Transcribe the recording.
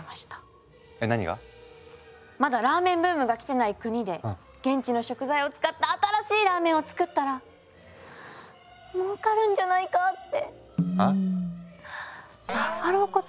まだラーメンブームが来てない国で現地の食材を使った新しいラーメンを作ったらもうかるんじゃないかって。